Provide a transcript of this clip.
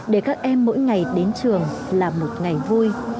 để các em mỗi ngày đến trường là một ngày vui